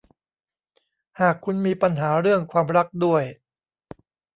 หากคุณมีปัญหาเรื่องความรักด้วย